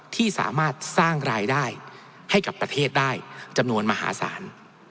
ที่สามารถสร้างรายได้ให้กับประเทศได้จำนวนมหาศาล